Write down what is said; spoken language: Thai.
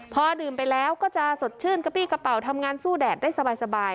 พอดื่มไปแล้วก็จะสดชื่นกระปี้กระเป๋าทำงานสู้แดดได้สบาย